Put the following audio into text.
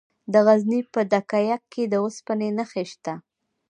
د غزني په ده یک کې د اوسپنې نښې شته.